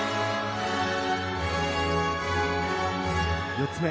４つ目。